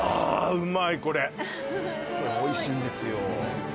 これおいしいんですよ